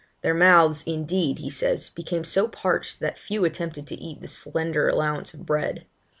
Their mouths, indeed, he says, became so parched, that few attempted to eat the slender allowance of bread.